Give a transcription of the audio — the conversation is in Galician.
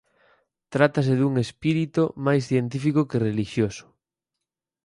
Trátase dun espírito máis científico que relixioso.